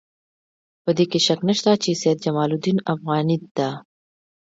په دې کې شک نشته چې سید جمال الدین افغاني ته.